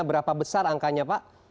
berapa besar angkanya pak